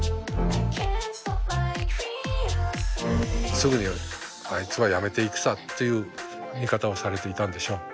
すぐにあいつは辞めていくさという見方をされていたんでしょう。